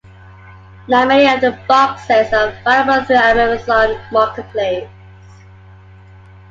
Now many of their box sets are available through Amazon Marketplace.